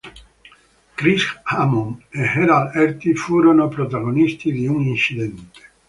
Chris Amon e Harald Ertl furono protagonisti di un incidente.